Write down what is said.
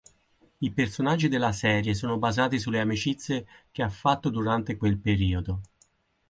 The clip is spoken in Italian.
I personaggi della serie sono basati sulle amicizie che ha fatto durante quel periodo.